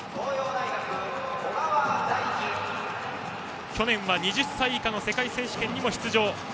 小川大輝、去年は２０歳以下の世界選手権にも出場。